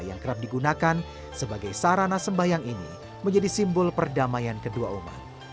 yang kerap digunakan sebagai sarana sembahyang ini menjadi simbol perdamaian kedua umat